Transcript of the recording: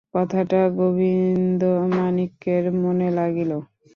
কথাটা গোবিন্দমাণিক্যের মনে লাগিল।